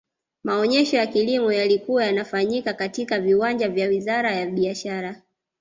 maonyesho ya kilimo yalikuwa yanafanyika katika viwanja vya wizara ya biashara